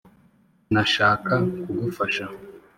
nashaka kugufasha